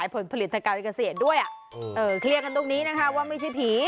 ผลิตทางการเกษตรด้วย